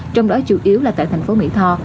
trong đó chủ yếu là tại thành phố mỹ tho